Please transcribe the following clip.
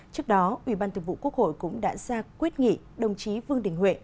trước đó ủy ban thường vụ quốc hội cũng đã ra quyết nghị đồng chí vương đình huệ